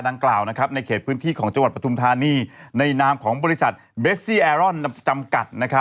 ดังกล่าวในเขตพื้นที่ของจังหวัดปทุมธานีในนามของบริษัทเบสซี่แอรอนจำกัด